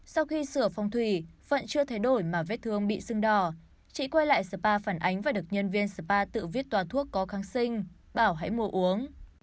sau khi sửa phòng thủy phận chưa thay đổi mà vết thương bị sưng đỏ chị quay lại spa phản ánh và được nhân viên spa tự viết tòa thuốc có kháng sinh bảo hãy mua uống